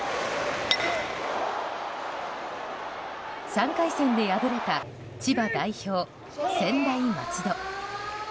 ３回戦で敗れた千葉代表・専大松戸。